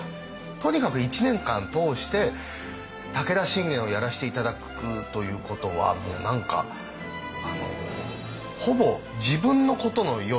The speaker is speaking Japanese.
とにかく１年間通して武田信玄をやらせて頂くということはもう何かほぼ自分のことのようになりましたね。